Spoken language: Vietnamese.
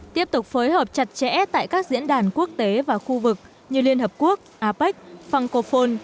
tiếp tục phối hợp chặt chẽ tại các diễn đàn quốc tế và khu vực như liên hợp quốc apec phòng cổ phôn